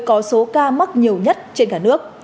có số ca mắc nhiều nhất trên cả nước